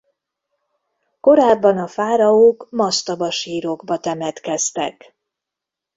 Korábban a fáraók masztabasírokba temetkeztek.